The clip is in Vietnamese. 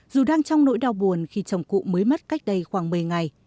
dù đang trong nỗi đau buồn khi chồng cụ mới mất cách đây khoảng một mươi ngày